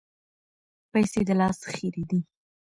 پیسې د لاس خیرې دي.